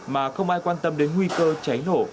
mà không ai quan tâm đến nguy cơ cháy nổ